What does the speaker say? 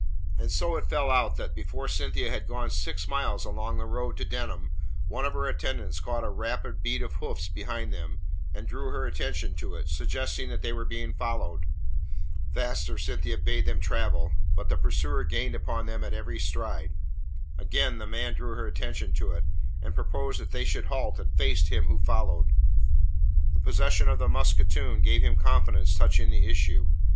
And so it fell out that before Cynthia had gone six miles along the road to Denham, one of her attendants caught a rapid beat of hoofs behind them, and drew her attention to it, suggesting that they were being followed. Faster Cynthia bade them travel, but the pursuer gained upon them at every stride. Again the man drew her attention to it, and proposed that they should halt and face him who followed. The possession of the musketoon gave him confidence touching the issue.